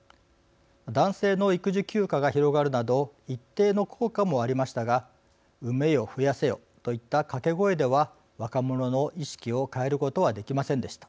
男性の育児休暇が広がるなど一定の効果もありましたが産めよ増やせよといった掛け声では若者の意識を変えることはできませんでした。